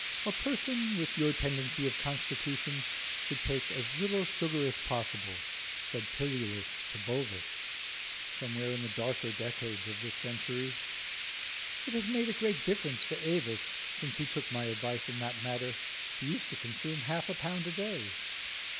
] "A person with your tendency of constitution should take as little sugar as possible," said Pilulus to Bovis somewhere in the darker decades of this century. "It has made a great difference to Avis since he took my advice in that matter: he used to consume half a pound a day."